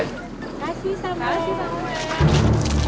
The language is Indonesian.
terima kasih samuel